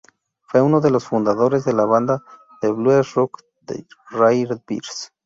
Fue uno de los fundadores de la banda de Blues rock The Yardbirds.